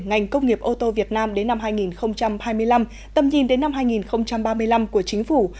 ngành công nghiệp ô tô việt nam đến năm hai nghìn hai mươi năm tầm nhìn đến năm hai nghìn ba mươi năm của chính phủ